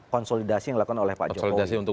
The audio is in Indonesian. konsolidasi yang dilakukan oleh pak jokowi